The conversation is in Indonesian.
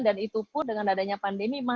dan itu pun dengan adanya pandemi